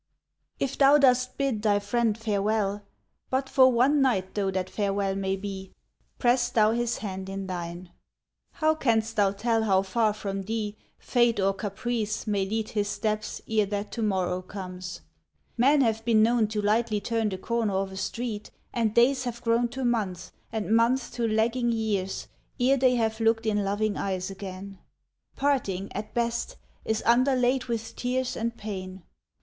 If thou dost bid thy friend farewell, But for one night though that farewell may be, Press thou his hand in thine. How canst thou tell how far from thee Fate or caprice may lead his steps ere that to morrow comes? Men have been known to lightly turn the corner of a street, And days have grown to months, and months to lagging years, Ere they have looked in loving eyes again. Parting, at best, is underlaid With tears and pain.